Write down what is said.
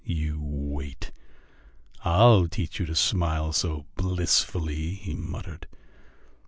"You wait; I'll teach you to smile so blissfully," he muttered.